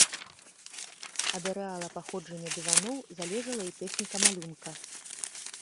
Ад арэала паходжання дываноў залежала і тэхніка малюнка.